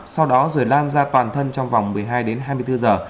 sau đó rồi lan ra toàn thân trong vòng một mươi hai đến hai mươi bốn giờ